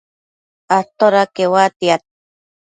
atoda queuatiad?